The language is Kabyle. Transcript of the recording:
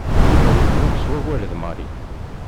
Yuba yennuɣ s wawal d Mary.